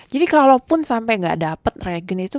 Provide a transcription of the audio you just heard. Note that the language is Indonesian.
jadi kalaupun sampai gak dapet regen itu